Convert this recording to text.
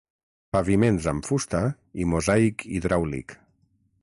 Paviments amb fusta i mosaic hidràulic.